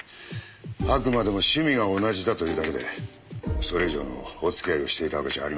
あくまでも趣味が同じだというだけでそれ以上のお付き合いをしていたわけじゃありませんから。